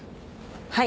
はい。